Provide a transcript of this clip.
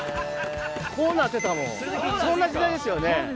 こうなってたもんそんな時代ですよね。